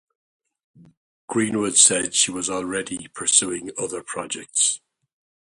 Greenwood said that she was already pursuing other projects.